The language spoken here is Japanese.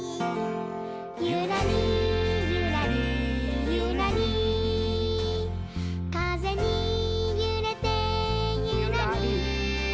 「ゆらりゆらりゆらりかぜにゆれてゆらり」